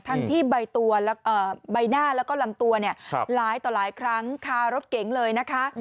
ทั้งที่ใบหน้าแล้วก็ลำตัวเนี่ยหลายต่อหลายครั้งคารถเก๋งเลยนะคะ